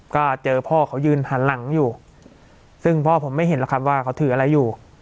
ก็เจอพ่อเขายืนหันหลังอยู่ซึ่งพ่อผมไม่เห็นหรอกครับว่าเขาถืออะไรอยู่